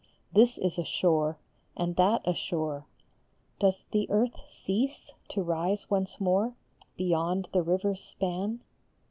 This is a shore, and that a shore. Does the earth cease, to rise once more Beyond the river s span?